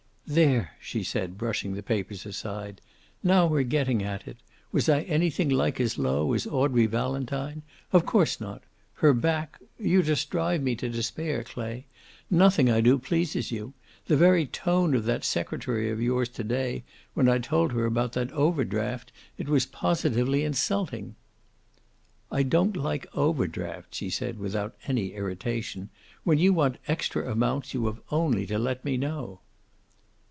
"There!" she said, brushing the papers aside. "Now we're getting at it. Was I anything like as low as Audrey Valentine? Of course not! Her back You just drive me to despair, Clay. Nothing I do pleases you. The very tone of that secretary of yours to day, when I told her about that over draft it was positively insulting!" "I don't like overdrafts," he said, without any irritation. "When you want extra amounts you have only to let me know."